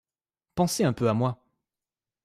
Pensez un peu à moi.